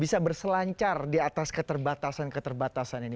bisa berselancar di atas keterbatasan keterbatasan ini